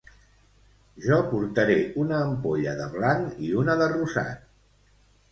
Jo portaré una ampolla de blanc i una de rosat